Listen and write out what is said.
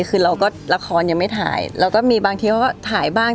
คือเราก็ละครยังไม่ถ่ายเราก็มีบางทีเขาก็ถ่ายบ้าง